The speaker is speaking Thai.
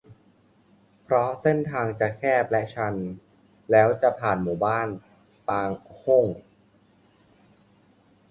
เพราะเส้นทางจะแคบและชัน แล้วจะผ่านหมู่บ้านปางโฮ่ง